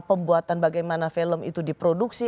pembuatan bagaimana film itu diproduksi